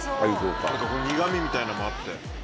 苦味みたいなのもあって。